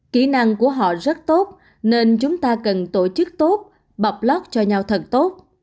kỹ năng của họ rất tốt nên chúng ta cần tổ chức tốt bọc lót cho nhau thật tốt